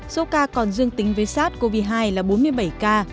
số ca còn dương tính với sars cov hai là bốn mươi bảy ca